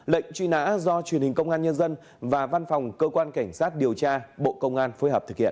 lệnh truy nã do truyền hình công an nhân dân và văn phòng cơ quan cảnh sát điều tra bộ công an phối hợp thực hiện